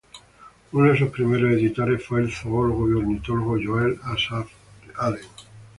Uno de sus primeros editores fue el zoólogo y ornitólogo Joel Asaph Allen.